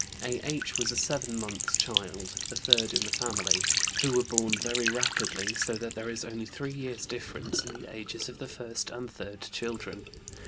A.H. was a seven months' child, the third in the family, who were born very rapidly, so that there is only three years difference in the ages of the first and third children.